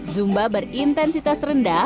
zumba berintensitas rendah